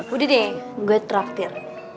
udah deh gue traktir